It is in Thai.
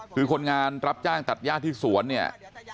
คือคนงานรับจ้างตัดย่าที่สวนเนี่ย